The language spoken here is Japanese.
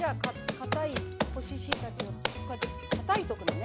かたい干ししいたけをこうやってたたいとくのね。